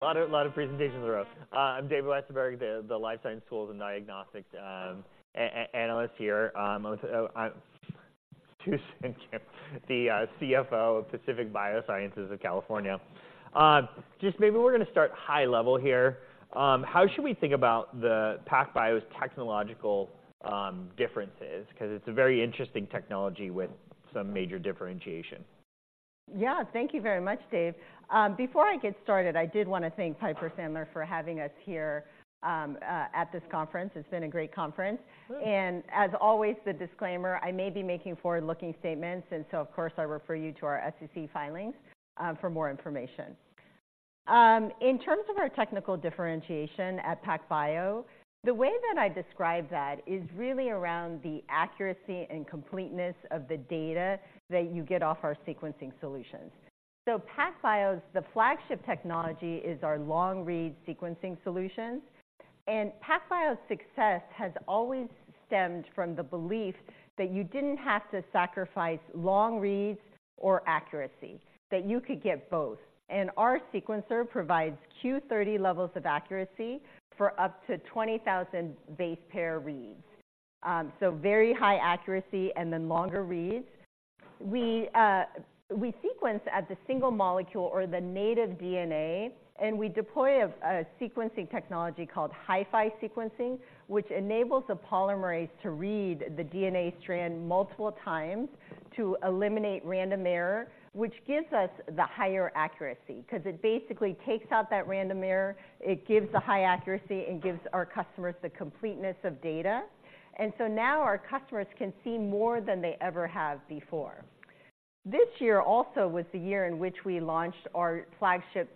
A lot of, a lot of presentations in a row. I'm Dave Westenberg, the life science tools and diagnostics analyst here. Susan Kim, the CFO of Pacific Biosciences of California. Just maybe we're gonna start high level here. How should we think about the PacBio's technological differences? 'Cause it's a very interesting technology with some major differentiation. Yeah. Thank you very much, Dave. Before I get started, I did want to thank Piper Sandler for having us here, at this conference. It's been a great conference. Good. As always, the disclaimer, I may be making forward-looking statements, and so, of course, I refer you to our SEC filings, for more information. In terms of our technical differentiation at PacBio, the way that I describe that is really around the accuracy and completeness of the data that you get off our sequencing solutions. So PacBio's, the flagship technology, is our long-read sequencing solutions, and PacBio's success has always stemmed from the belief that you didn't have to sacrifice long reads or accuracy, that you could get both. Our sequencer provides Q30 levels of accuracy for up to 20,000 base pair reads. So very high accuracy and then longer reads. We sequence at the single molecule or the native DNA, and we deploy a sequencing technology called HiFi sequencing, which enables the polymerase to read the DNA strand multiple times to eliminate random error, which gives us the higher accuracy 'cause it basically takes out that random error, it gives the high accuracy, and gives our customers the completeness of data. And so now our customers can see more than they ever have before. This year also was the year in which we launched our flagship,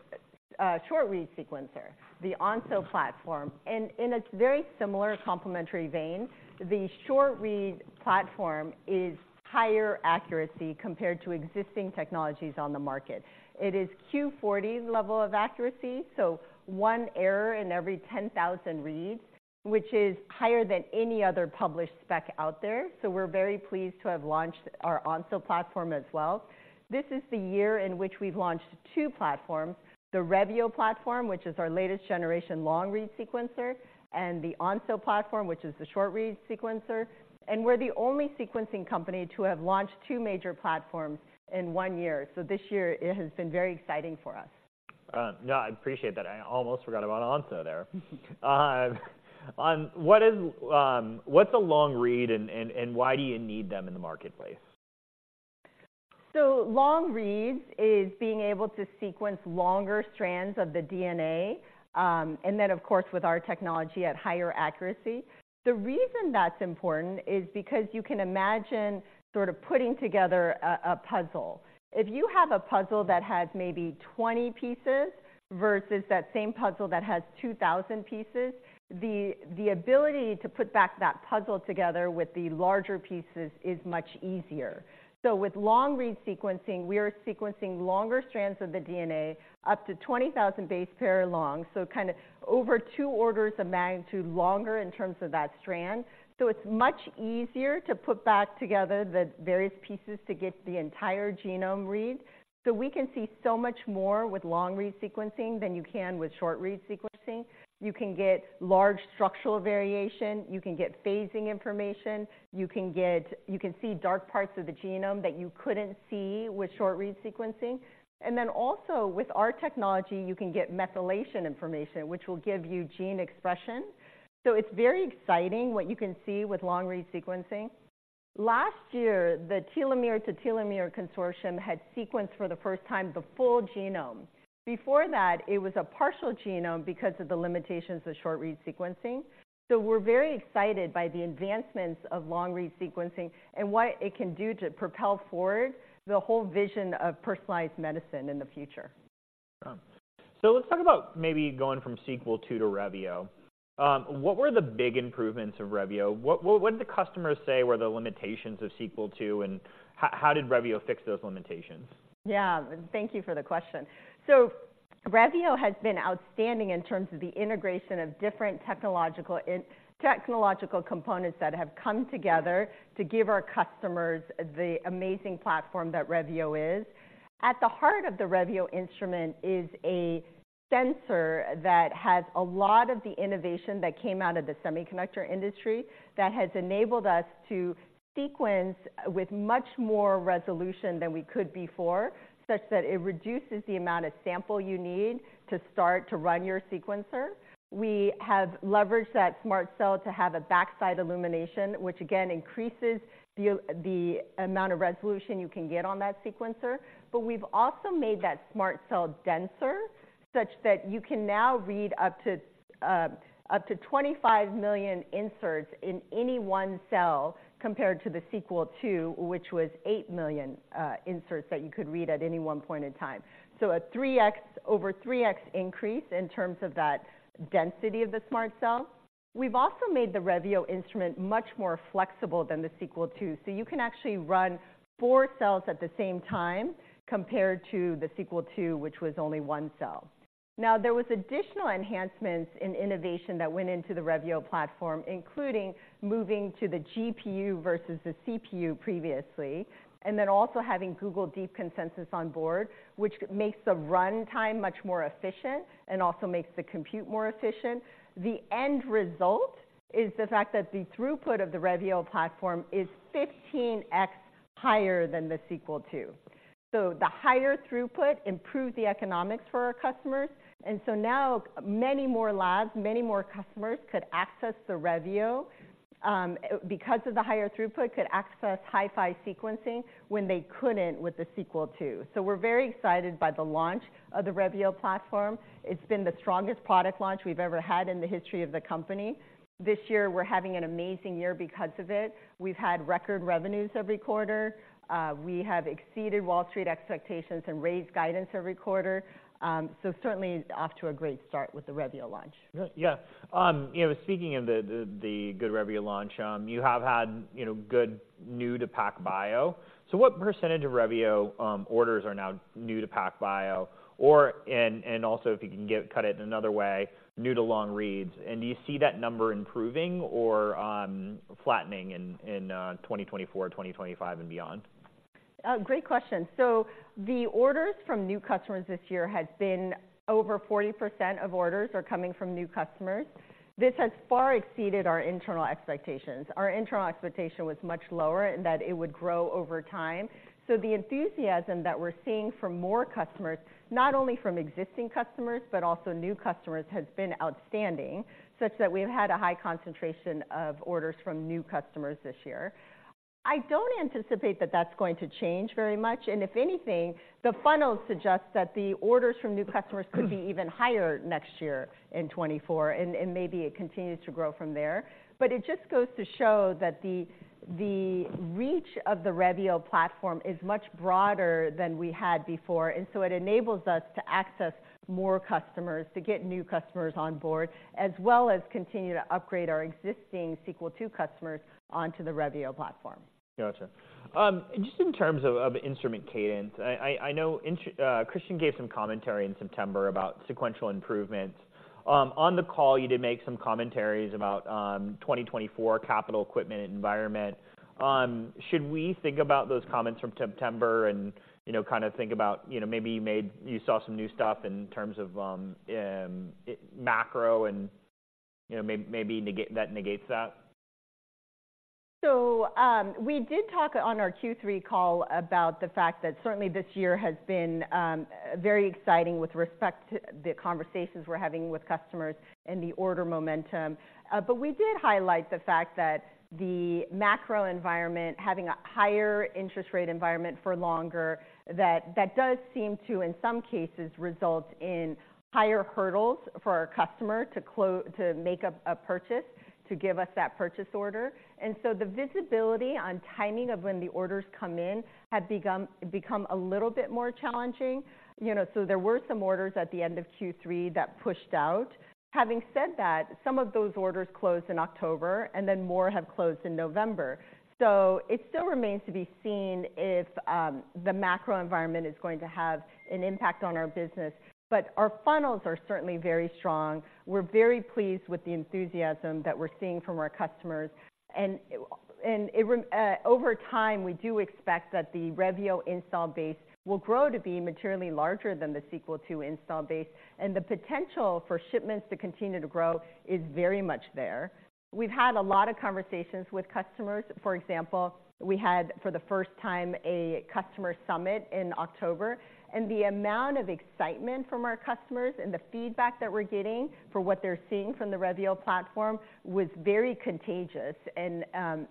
short-read sequencer, the Onso platform. And in a very similar complementary vein, the short-read platform is higher accuracy compared to existing technologies on the market. It is Q40-level of accuracy, so one error in every 10,000 reads, which is higher than any other published spec out there. So we're very pleased to have launched our Onso platform as well. This is the year in which we've launched two platforms: the Revio platform, which is our latest generation long-read sequencer, and the Onso platform, which is the short-read sequencer, and we're the only sequencing company to have launched two major platforms in one year. So this year, it has been very exciting for us. No, I appreciate that. I almost forgot about Onso there. What's a long read, and why do you need them in the marketplace? So long reads is being able to sequence longer strands of the DNA, and then, of course, with our technology at higher accuracy. The reason that's important is because you can imagine sort of putting together a puzzle. If you have a puzzle that has maybe 20 pieces versus that same puzzle that has 2,000 pieces, the ability to put back that puzzle together with the larger pieces is much easier. So with long-read sequencing, we are sequencing longer strands of the DNA, up to 20,000 base pair long, so kind of over two orders of magnitude longer in terms of that strand. So it's much easier to put back together the various pieces to get the entire genome read. So we can see so much more with long-read sequencing than you can with short-read sequencing. You can get large structural variation, you can get phasing information, you can see dark parts of the genome that you couldn't see with short-read sequencing. And then also, with our technology, you can get methylation information, which will give you gene expression. So it's very exciting what you can see with long-read sequencing. Last year, the Telomere-to-Telomere Consortium had sequenced for the first time the full genome. Before that, it was a partial genome because of the limitations of short-read sequencing. So we're very excited by the advancements of long-read sequencing and what it can do to propel forward the whole vision of personalized medicine in the future. Yeah. So let's talk about maybe going from Sequel II to Revio. What were the big improvements of Revio? What did the customers say were the limitations of Sequel II, and how did Revio fix those limitations? Yeah, thank you for the question. So Revio has been outstanding in terms of the integration of different technological components that have come together to give our customers the amazing platform that Revio is. At the heart of the Revio instrument is a sensor that has a lot of the innovation that came out of the semiconductor industry, that has enabled us to sequence with much more resolution than we could before, such that it reduces the amount of sample you need to start to run your sequencer. We have leveraged that SMRT Cell to have a backside illumination, which again increases the amount of resolution you can get on that sequencer. But we've also made that SMRT Cell denser, such that you can now read up to 25 million inserts in any one cell, compared to the Sequel II, which was 8 million inserts that you could read at any one point in time. So a 3x-over-3x increase in terms of that density of the SMRT Cell. We've also made the Revio instrument much more flexible than the Sequel II, so you can actually run four cells at the same time, compared to the Sequel II, which was only one cell. Now, there was additional enhancements in innovation that went into the Revio platform, including moving to the GPU versus the CPU previously, and then also having Google DeepConsensus on board, which makes the runtime much more efficient and also makes the compute more efficient. The end result is the fact that the throughput of the Revio platform is 15x higher than the Sequel II. So the higher throughput improved the economics for our customers, and so now many more labs, many more customers, could access the Revio, because of the higher throughput, could access HiFi sequencing when they couldn't with the Sequel II. So we're very excited by the launch of the Revio platform. It's been the strongest product launch we've ever had in the history of the company. This year, we're having an amazing year because of it. We've had record revenues every quarter. We have exceeded Wall Street expectations and raised guidance every quarter. So certainly off to a great start with the Revio launch. Yeah. You know, speaking of the good Revio launch, you have had, you know, good news to PacBio. So what percentage of Revio orders are now new to PacBio? Or, and also, if you can cut it another way, new to long reads, and do you see that number improving or flattening in 2024, 2025, and beyond? Great question. So the orders from new customers this year has been over 40% of orders are coming from new customers. This has far exceeded our internal expectations. Our internal expectation was much lower, and that it would grow over time. So the enthusiasm that we're seeing from more customers, not only from existing customers, but also new customers, has been outstanding, such that we've had a high concentration of orders from new customers this year. I don't anticipate that that's going to change very much, and if anything, the funnel suggests that the orders from new customers could be even higher next year in 2024, and, and maybe it continues to grow from there. But it just goes to show that the reach of the Revio platform is much broader than we had before, and so it enables us to access more customers, to get new customers on board, as well as continue to upgrade our existing Sequel II customers onto the Revio platform. Gotcha. Just in terms of instrument cadence, I know Christian gave some commentary in September about sequential improvements. On the call, you did make some commentaries about 2024 capital equipment environment. Should we think about those comments from September and, you know, kind of think about, you know, maybe you saw some new stuff in terms of macro and, you know, maybe that negates that? So, we did talk on our Q3 call about the fact that certainly this year has been very exciting with respect to the conversations we're having with customers and the order momentum. But we did highlight the fact that the macro environment, having a higher interest rate environment for longer, that does seem to, in some cases, result in higher hurdles for our customer to make a, a purchase, to give us that purchase order. And so the visibility on timing of when the orders come in have become a little bit more challenging. You know, so there were some orders at the end of Q3 that pushed out. Having said that, some of those orders closed in October, and then more have closed in November. So it still remains to be seen if the macro environment is going to have an impact on our business. But our funnels are certainly very strong. We're very pleased with the enthusiasm that we're seeing from our customers, and over time, we do expect that the Revio install base will grow to be materially larger than the Sequel II install base, and the potential for shipments to continue to grow is very much there. We've had a lot of conversations with customers. For example, we had, for the first time, a customer summit in October, and the amount of excitement from our customers and the feedback that we're getting for what they're seeing from the Revio platform was very contagious and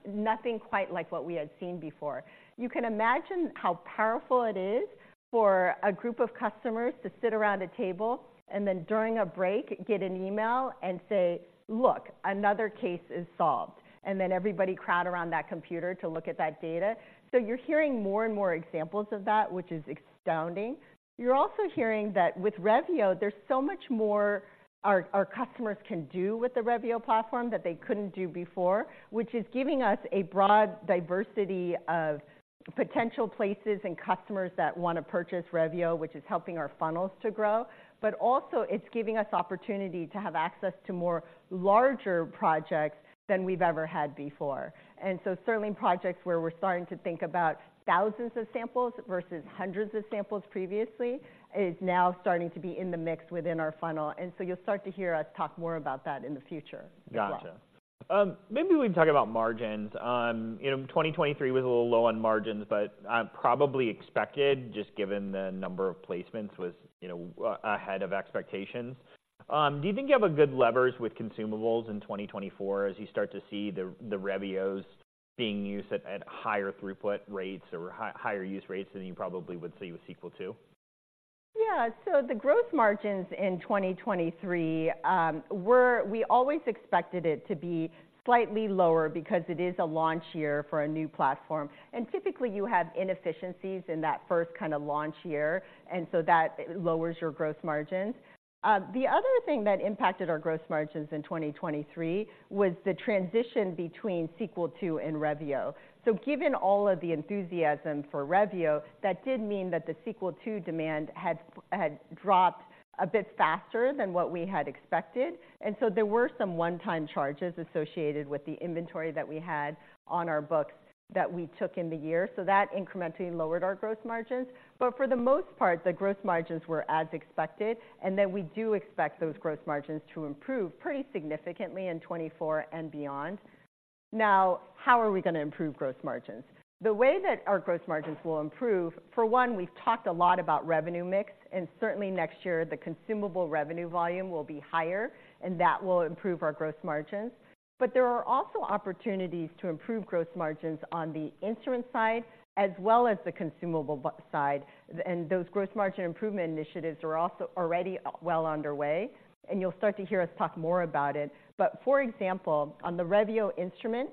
nothing quite like what we had seen before. You can imagine how powerful it is for a group of customers to sit around a table and then during a break, get an email and say, "Look, another case is solved," and then everybody crowd around that computer to look at that data. So you're hearing more and more examples of that, which is astounding. You're also hearing that with Revio, there's so much more our customers can do with the Revio platform that they couldn't do before, which is giving us a broad diversity of potential places and customers that want to purchase Revio, which is helping our funnels to grow. But also it's giving us opportunity to have access to more larger projects than we've ever had before. And so certainly projects where we're starting to think about thousands of samples versus hundreds of samples previously, is now starting to be in the mix within our funnel, and so you'll start to hear us talk more about that in the future as well. Gotcha. Maybe we can talk about margins. You know, 2023 was a little low on margins, but probably expected, just given the number of placements was, you know, ahead of expectations. Do you think you have a good leverage with consumables in 2024 as you start to see the Revios being used at higher throughput rates or higher use rates than you probably would see with Sequel II?... Yeah, so the gross margins in 2023 were—we always expected it to be slightly lower because it is a launch year for a new platform, and typically you have inefficiencies in that first kind of launch year, and so that lowers your gross margins. The other thing that impacted our gross margins in 2023 was the transition between Sequel II and Revio. So given all of the enthusiasm for Revio, that did mean that the Sequel II demand had dropped a bit faster than what we had expected, and so there were some one-time charges associated with the inventory that we had on our books that we took in the year. So that incrementally lowered our gross margins. But for the most part, the gross margins were as expected, and then we do expect those gross margins to improve pretty significantly in 2024 and beyond. Now, how are we going to improve gross margins? The way that our gross margins will improve, for one, we've talked a lot about revenue mix, and certainly next year, the consumable revenue volume will be higher, and that will improve our gross margins. But there are also opportunities to improve gross margins on the instrument side as well as the consumable side, and those gross margin improvement initiatives are also already well underway, and you'll start to hear us talk more about it. But for example, on the Revio instrument,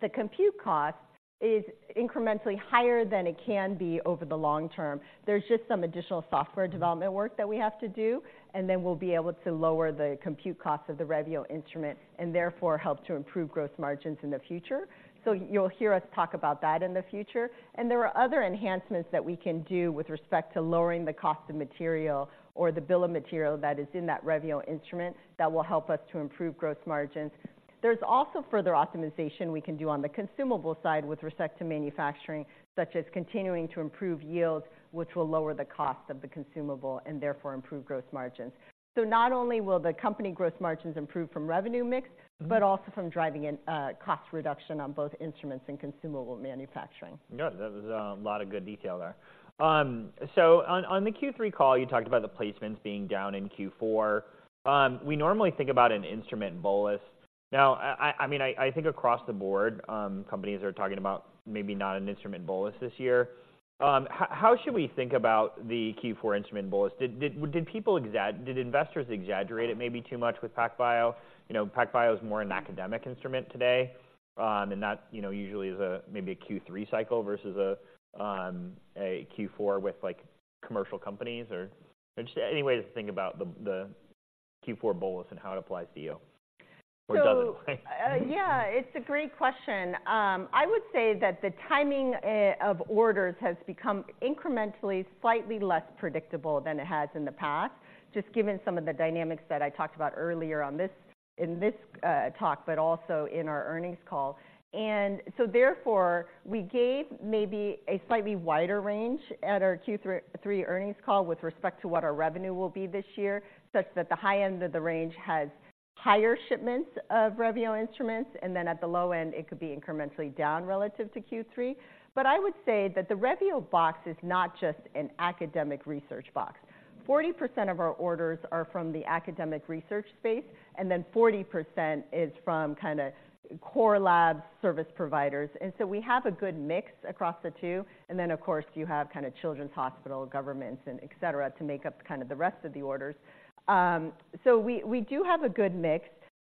the compute cost is incrementally higher than it can be over the long term. There's just some additional software development work that we have to do, and then we'll be able to lower the compute cost of the Revio instrument and therefore help to improve gross margins in the future. So you'll hear us talk about that in the future. And there are other enhancements that we can do with respect to lowering the cost of material or the bill of material that is in that Revio instrument that will help us to improve gross margins. There's also further optimization we can do on the consumable side with respect to manufacturing, such as continuing to improve yields, which will lower the cost of the consumable and therefore improve gross margins. So not only will the company gross margins improve from revenue mix, but also from driving in, cost reduction on both instruments and consumable manufacturing. Good. That was a lot of good detail there. So on the Q3 call, you talked about the placements being down in Q4. We normally think about an instrument bolus. Now, I mean, I think across the board, companies are talking about maybe not an instrument bolus this year. How should we think about the Q4 instrument bolus? Did investors exaggerate it maybe too much with PacBio? You know, PacBio is more an academic instrument today, and that, you know, usually is a maybe a Q3 cycle versus a Q4 with, like, commercial companies or... Just any way to think about the Q4 bolus and how it applies to you, or does it? So, yeah, it's a great question. I would say that the timing of orders has become incrementally, slightly less predictable than it has in the past, just given some of the dynamics that I talked about earlier in this talk, but also in our earnings call. And so therefore, we gave maybe a slightly wider range at our Q3 earnings call with respect to what our revenue will be this year, such that the high end of the range has higher shipments of Revio instruments, and then at the low end, it could be incrementally down relative to Q3. But I would say that the Revio box is not just an academic research box. 40% of our orders are from the academic research space, and then 40% is from kinda core lab service providers, and so we have a good mix across the two, and then, of course, you have kind of children's hospital, governments, and et cetera, to make up kind of the rest of the orders. So we do have a good mix,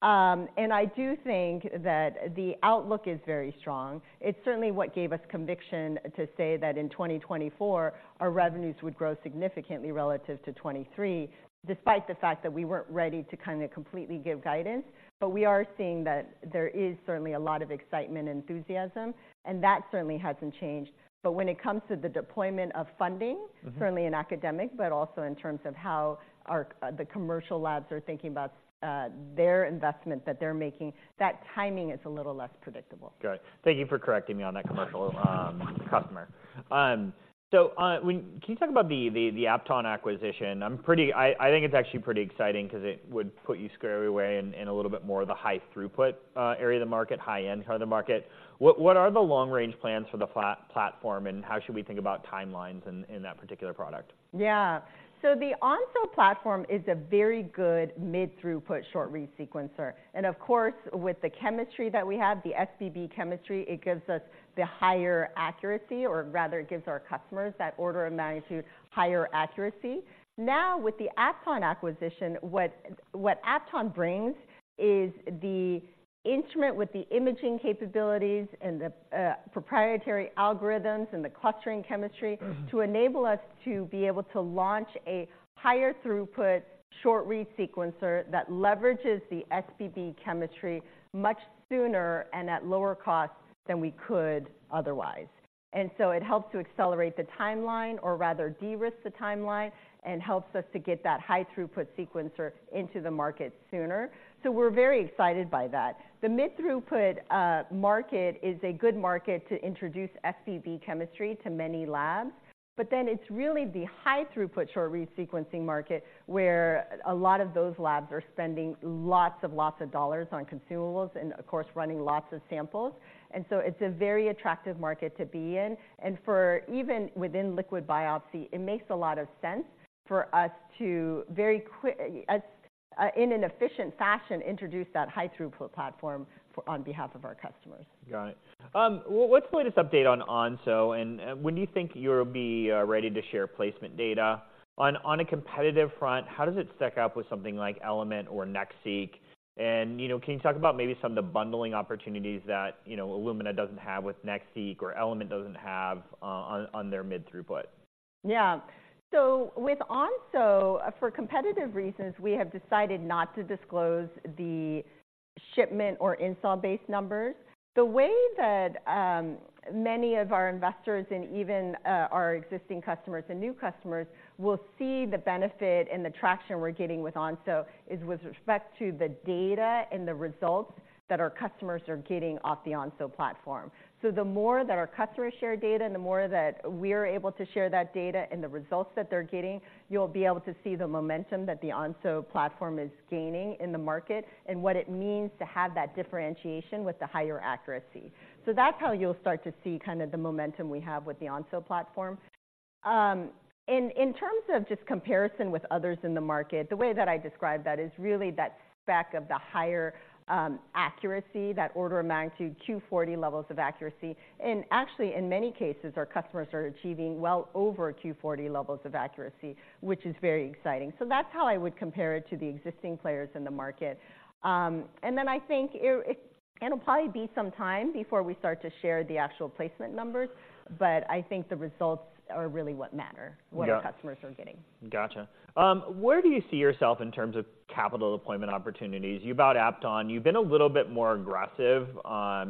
and I do think that the outlook is very strong. It's certainly what gave us conviction to say that in 2024, our revenues would grow significantly relative to 2023, despite the fact that we weren't ready to kind of completely give guidance. But we are seeing that there is certainly a lot of excitement and enthusiasm, and that certainly hasn't changed. But when it comes to the deployment of funding- Mm-hmm. Certainly in academic, but also in terms of how our, the commercial labs are thinking about, their investment that they're making, that timing is a little less predictable. Good. Thank you for correcting me on that commercial customer. So, when-- can you talk about the Apton acquisition? I'm pretty... I think it's actually pretty exciting 'cause it would put you squarely away in a little bit more of the high throughput area of the market, high-end part of the market. What are the long-range plans for the platform, and how should we think about timelines in that particular product? Yeah. So the Onso platform is a very good mid-throughput short-read sequencer, and of course, with the chemistry that we have, the SBB chemistry, it gives us the higher accuracy, or rather, it gives our customers that order of magnitude higher accuracy. Now, with the Apton acquisition, what Apton brings is the instrument with the imaging capabilities and the proprietary algorithms and the clustering chemistry- Mm-hmm. to enable us to be able to launch a higher throughput, short-read sequencer that leverages the SBB chemistry much sooner and at lower cost than we could otherwise. And so it helps to accelerate the timeline or rather de-risk the timeline and helps us to get that high-throughput sequencer into the market sooner. So we're very excited by that. The mid-throughput market is a good market to introduce SBB chemistry to many labs, but then it's really the high-throughput, short-read sequencing market, where a lot of those labs are spending lots of, lots of dollars on consumables and, of course, running lots of samples. And so it's a very attractive market to be in. And for even within liquid biopsy, it makes a lot of sense for us to very quick, in an efficient fashion, introduce that high-throughput platform for, on behalf of our customers. Got it. Well, what's the latest update on Onso, and when do you think you'll be ready to share placement data? On a competitive front, how does it stack up with something like Element or NextSeq? And, you know, can you talk about maybe some of the bundling opportunities that, you know, Illumina doesn't have with NextSeq or Element doesn't have on their mid-throughput? Yeah. So with Onso, for competitive reasons, we have decided not to disclose the shipment or install base numbers. The way that many of our investors and even our existing customers and new customers will see the benefit and the traction we're getting with Onso is with respect to the data and the results that our customers are getting off the Onso platform. So the more that our customers share data, and the more that we are able to share that data and the results that they're getting, you'll be able to see the momentum that the Onso platform is gaining in the market and what it means to have that differentiation with the higher accuracy. So that's how you'll start to see kind of the momentum we have with the Onso platform. In terms of just comparison with others in the market, the way that I describe that is really that spec of the higher accuracy, that order of magnitude, Q40-levels of accuracy. And actually, in many cases, our customers are achieving well over Q40-levels of accuracy, which is very exciting. So that's how I would compare it to the existing players in the market. And then I think it'll probably be some time before we start to share the actual placement numbers, but I think the results are really what matter- Got it. what our customers are getting. Gotcha. Where do you see yourself in terms of capital deployment opportunities? You bought Apton, you've been a little bit more aggressive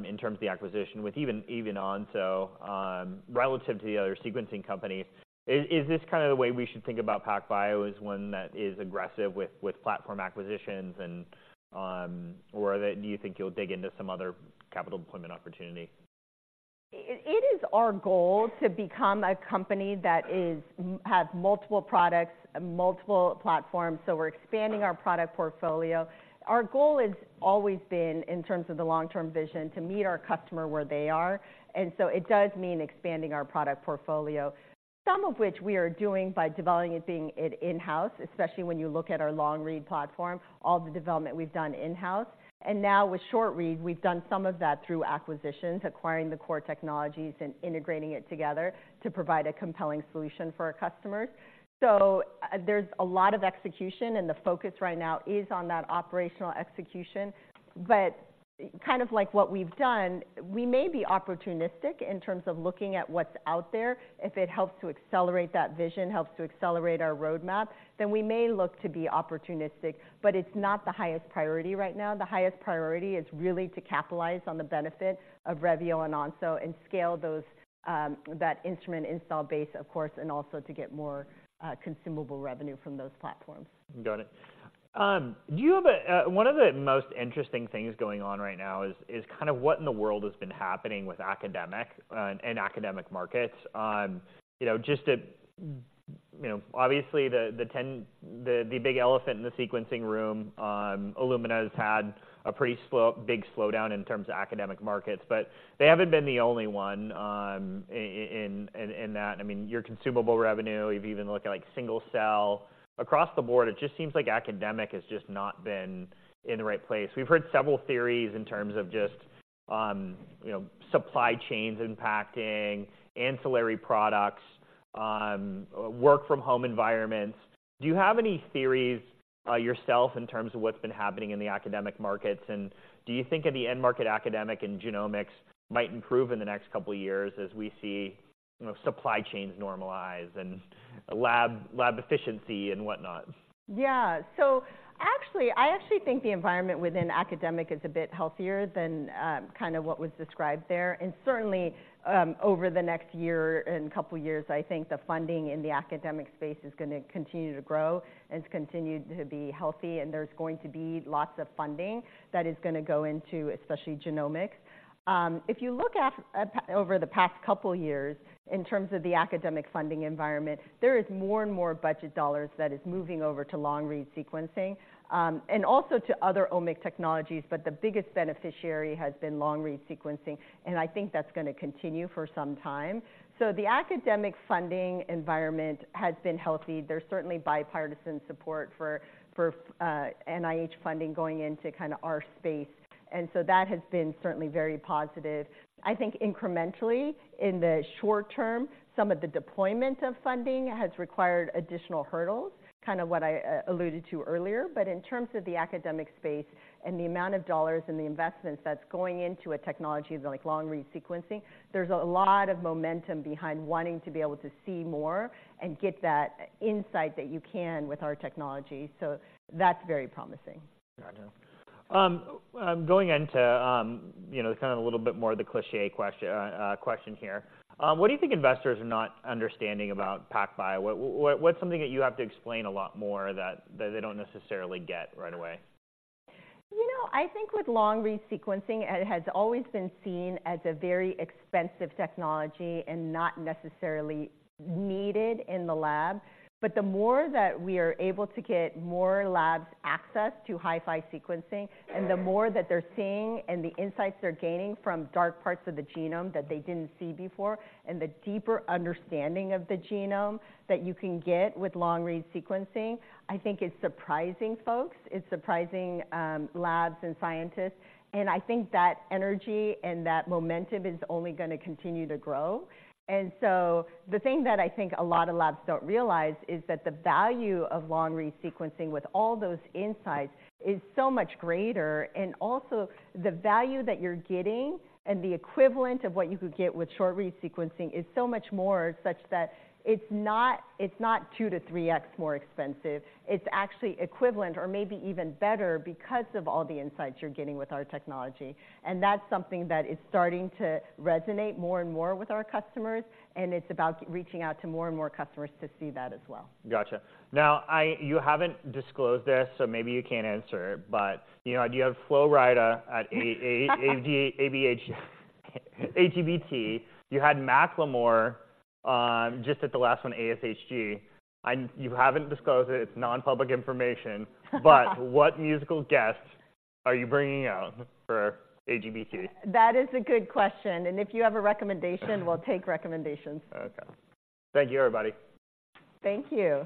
in terms of the acquisition, with even Onso, relative to the other sequencing companies. Is this kind of the way we should think about PacBio, as one that is aggressive with platform acquisitions and... or do you think you'll dig into some other capital deployment opportunity? It is our goal to become a company that is has multiple products and multiple platforms, so we're expanding our product portfolio. Our goal has always been, in terms of the long-term vision, to meet our customer where they are, and so it does mean expanding our product portfolio. Some of which we are doing by developing it in-house, especially when you look at our long-read platform, all the development we've done in-house. And now with short-read, we've done some of that through acquisitions, acquiring the core technologies and integrating it together to provide a compelling solution for our customers. So, there's a lot of execution, and the focus right now is on that operational execution. But kind of like what we've done, we may be opportunistic in terms of looking at what's out there. If it helps to accelerate that vision, helps to accelerate our roadmap, then we may look to be opportunistic, but it's not the highest priority right now. The highest priority is really to capitalize on the benefit of Revio and Onso and scale those, that instrument install base, of course, and also to get more, consumable revenue from those platforms. Got it. Do you have a one of the most interesting things going on right now is kind of what in the world has been happening with academic and academic markets. You know, just to, you know, obviously, the big elephant in the sequencing room, Illumina has had a pretty slow, big slowdown in terms of academic markets, but they haven't been the only one in that. I mean, your consumable revenue, if you even look at, like, single cell, across the board, it just seems like academic has just not been in the right place. We've heard several theories in terms of just, you know, supply chains impacting ancillary products, work from home environments. Do you have any theories yourself in terms of what's been happening in the academic markets? Do you think the end market, academic and genomics, might improve in the next couple of years as we see, you know, supply chains normalize and lab efficiency and whatnot? Yeah. So actually, I actually think the environment within academic is a bit healthier than kind of what was described there. And certainly, over the next year and couple of years, I think the funding in the academic space is going to continue to grow and continue to be healthy, and there's going to be lots of funding that is going to go into, especially genomics. If you look at, over the past couple of years in terms of the academic funding environment, there is more and more budget dollars that is moving over to long-read sequencing and also to other omic technologies, but the biggest beneficiary has been long-read sequencing, and I think that's going to continue for some time. So the academic funding environment has been healthy. There's certainly bipartisan support for NIH funding going into kind of our space, and so that has been certainly very positive. I think incrementally, in the short term, some of the deployment of funding has required additional hurdles, kind of what I alluded to earlier. But in terms of the academic space and the amount of dollars and the investments that's going into a technology like long-read sequencing, there's a lot of momentum behind wanting to be able to see more and get that insight that you can with our technology. So that's very promising. Gotcha. Going into, you know, kind of a little bit more of the cliché question here. What do you think investors are not understanding about PacBio? What's something that you have to explain a lot more that they don't necessarily get right away? You know, I think with long-read sequencing, it has always been seen as a very expensive technology and not necessarily needed in the lab. But the more that we are able to get more labs access to HiFi sequencing, and the more that they're seeing and the insights they're gaining from dark parts of the genome that they didn't see before, and the deeper understanding of the genome that you can get with long-read sequencing, I think it's surprising folks. It's surprising, labs and scientists, and I think that energy and that momentum is only going to continue to grow. The thing that I think a lot of labs don't realize is that the value of long-read sequencing with all those insights is so much greater, and also the value that you're getting and the equivalent of what you could get with short-read sequencing is so much more, such that it's not, it's not 2-3x more expensive. It's actually equivalent or maybe even better because of all the insights you're getting with our technology. That's something that is starting to resonate more and more with our customers, and it's about reaching out to more and more customers to see that as well. Gotcha. Now, you haven't disclosed this, so maybe you can't answer, but, you know, you have Flo Rida at AGBT. You had Macklemore just at the last one, ASHG, and you haven't disclosed it. It's non-public information. But what musical guest are you bringing out for AGBT? That is a good question, and if you have a recommendation- Okay. We'll take recommendations. Okay. Thank you, everybody. Thank you.